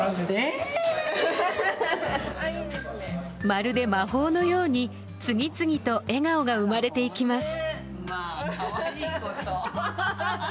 まるで魔法のように次々と笑顔が生まれていきます。